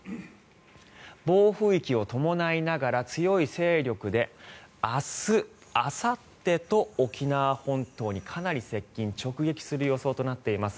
暴風域を伴いながら強い勢力で明日、あさってと沖縄本島にかなり接近直撃する予想となっています。